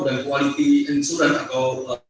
dan kualiti insuran atau